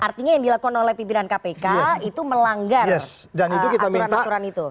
artinya yang dilakukan oleh pimpinan kpk itu melanggar aturan aturan itu